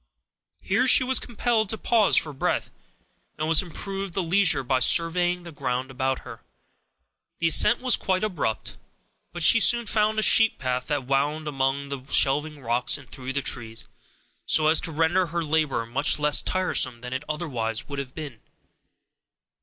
Here she was compelled to pause for breath, and she improved the leisure by surveying the ground about her. The ascent was quite abrupt, but she soon found a sheep path that wound among the shelving rocks and through the trees, so as to render her labor much less tiresome than it otherwise would have been.